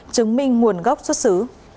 chứng minh nguồn gốc xuất xứ